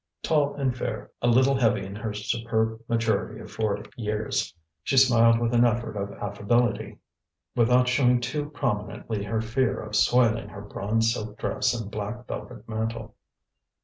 Tall and fair, a little heavy in her superb maturity of forty years, she smiled with an effort of affability, without showing too prominently her fear of soiling her bronze silk dress and black velvet mantle.